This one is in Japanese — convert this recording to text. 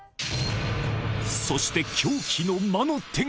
そして狂気の魔の手が。